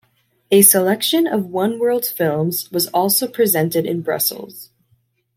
A selection of One World films was also presented in Brussels.